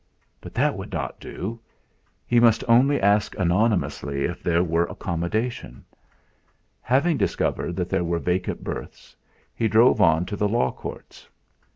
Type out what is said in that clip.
But that would not do! He must only ask anonymously if there were accommodation. Having discovered that there were vacant berths, he drove on to the Law Courts.